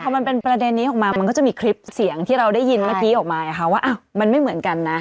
เมื่อมันเป็นประเด็นนี้ออกมามันต้องมีคลิปเสียงก่อนเราได้หยินไม่เหมือนกัน